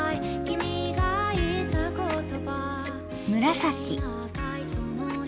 紫。